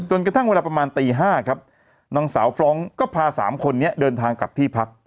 กระทั่งเวลาประมาณตี๕ครับนางสาวฟรองก์ก็พาสามคนนี้เดินทางกลับที่พัก